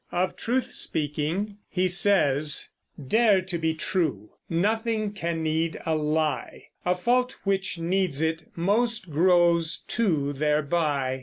Of truth speaking he says: Dare to be true. Nothing can need a lie; A fault which needs it most grows two thereby.